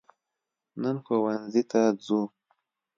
نن ښوونځي ته ځو